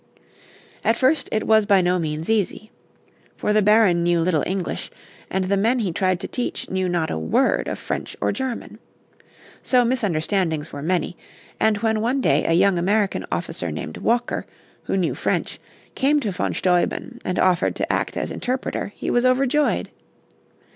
At first it was by no means easy. For the Baron knew little English and the men he tried to teach knew not a word of French or German. So misunderstandings were many, and when one day a young American officer named Walker, who knew French, came to von Steuben and offered to act as interpreter he was overjoyed.